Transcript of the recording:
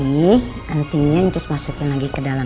loh ini antingnya terus masukin lagi ke dalam